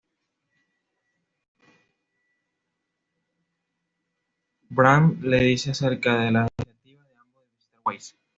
Brant le dice acerca de la iniciativa y ambos deciden visitar Weiss.